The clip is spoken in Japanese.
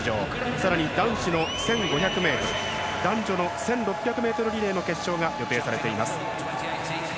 更に男子の１５００ｍ男女の１６００ｍリレーの決勝が予定されています。